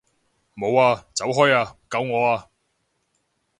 冇啊！走開啊！救我啊！